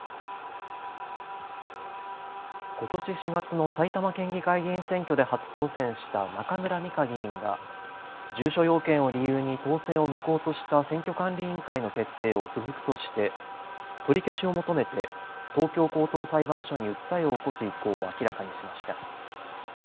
ことし４月の埼玉県議会議員選挙で初当選した中村美香議員が住所要件を理由に当選を無効とした選挙管理委員会の決定を不服として取り消しを求めて東京高等裁判所に訴えを起こす意向を明らかにしました。